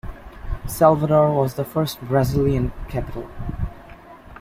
Salvador was the first Brazilian capital.